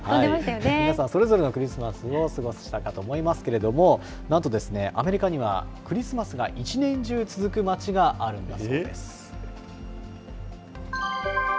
皆さん、それぞれのクリスマスの過ごしたかと思いますけれども、なんとアメリカには、クリスマスが一年中続く町があるんだそ